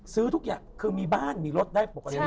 ซื้อทุกอย่างคือมีบ้านมีรถได้ปกติ